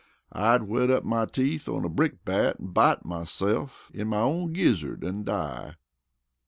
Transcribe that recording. I'd whet up my teeth on a brick bat an' bite myse'f in my own gizzard an' die."